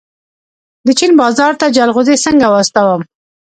د چین بازار ته جلغوزي څنګه واستوم؟